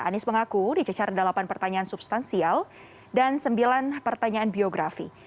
anies mengaku dicecar delapan pertanyaan substansial dan sembilan pertanyaan biografi